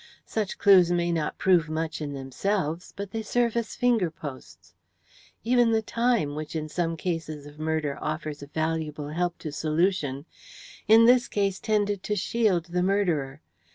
Such clues may not prove much in themselves, but they serve as finger posts. Even the time, which in some cases of murder offers a valuable help to solution, in this case tended to shield the murderer.